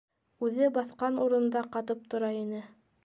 Үҙе баҫҡан урынында ҡатып тора ине.